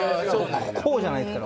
こうじゃないですから。